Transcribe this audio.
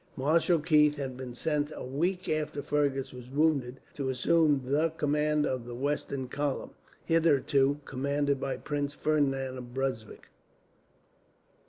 Marshal Keith had been sent, a week after Fergus was wounded, to assume the command of the western column, hitherto commanded by Prince Ferdinand of Brunswick.